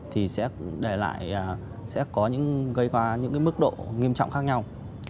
thì sẽ có những mức độ nghiêm trọng khác nhau